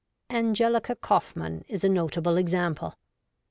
Angelica Kauffmann is a notable example.